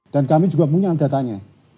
dan kami juga punya datanya